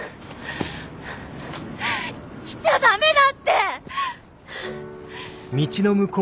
来ちゃダメだって！